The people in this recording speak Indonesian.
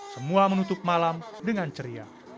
semua menutup malam dengan ceria